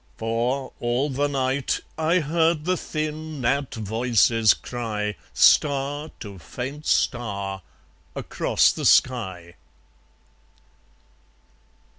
For, all the night, I heard the thin gnat voices cry, Star to faint star, across the sky.